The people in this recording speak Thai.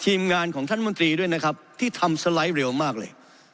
ทีมงานของท่านมนตรีด้วยนะครับที่ทำสไลด์เร็วมากเลย